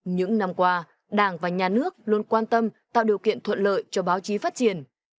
những năm qua đảng và nhà nước luôn quan tâm tạo điều kiện thuận lợi cho báo chí phát triển